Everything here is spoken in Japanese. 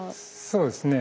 そうですね。